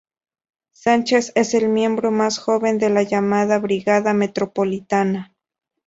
Sánchez es el miembro más joven de la llamada Brigada Metropolitana.